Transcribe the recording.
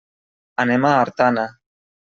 Anem a Artana.